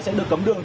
sẽ được cấm đường